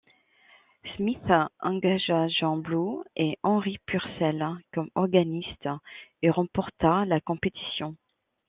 Smith engagea John Blow et Henry Purcell, comme organistes, et remporta la compétition.